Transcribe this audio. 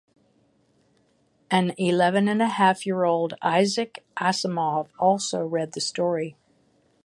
An eleven and a half year old Isaac Asimov also read the story.